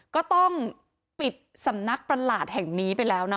ก็ต้องปิดสำนักประหลาดแห่งนี้ไปแล้วนะคะ